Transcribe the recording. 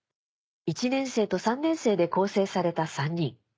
１年生と３年生で構成された３人。